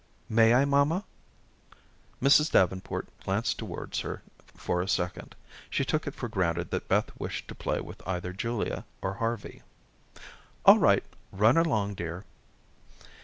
"May I, mamma?" Mrs. Davenport glanced towards her for a second. She took it for granted that Beth wished to play with either Julia or Harvey. "All right. Run along, dear."